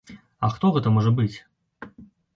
А хто гэта можа быць?